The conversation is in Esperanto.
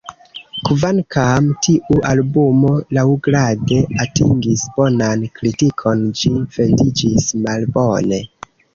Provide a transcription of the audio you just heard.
Kvankam tiu albumo laŭgrade atingis bonan kritikon, ĝi vendiĝis malbone.